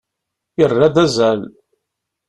Yerra-d azal.